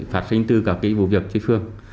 phát sinh từ các cái vụ việc chơi phường